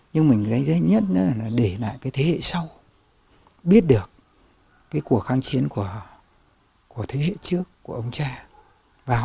nhưng mình thấy nhất là để lại cái thế hệ sau biết được cái cuộc kháng chiến của thế hệ trước của ông cha